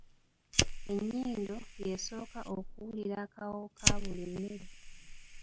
Ennyindo, y'esooka okuwulira akawoowo ka buli mmere.